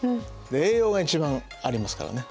で栄養が一番ありますからね。